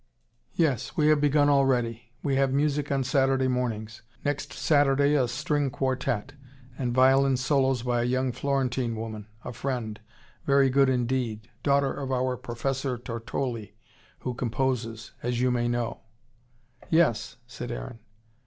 "Yes. We have begun already. We have music on Saturday mornings. Next Saturday a string quartette, and violin solos by a young Florentine woman a friend very good indeed, daughter of our Professor Tortoli, who composes as you may know " "Yes," said Aaron.